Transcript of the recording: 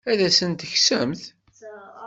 Ad asen-t-tekksemt?